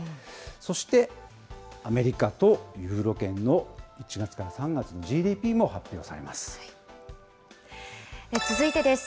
そして、アメリカとユーロ圏の１月から３月のＧＤＰも発表されま続いてです。